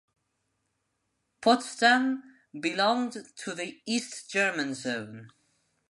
Potsdam belonged to the East German zone.